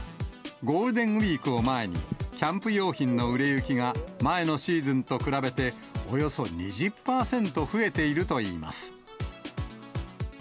ゴールデンウィークを前に、キャンプ用品の売れ行きが前のシーズンと比べて、およそ２０％増えているといいます。